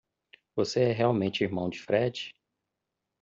Você é realmente irmão de Fred?